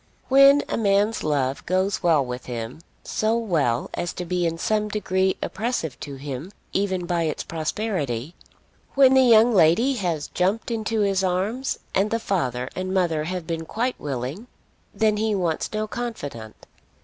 When a man's love goes well with him, so well as to be in some degree oppressive to him even by its prosperity, when the young lady has jumped into his arms and the father and mother have been quite willing, then he wants no confidant.